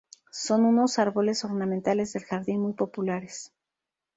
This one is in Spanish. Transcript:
Son unos árboles ornamentales de jardín muy populares.